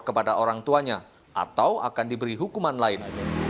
kepada orang tuanya atau akan diberi hukuman lain